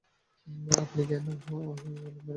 আপনি কেন ওই ময়ূরগুলোকে মেরে পুঁতে দিয়েছেন?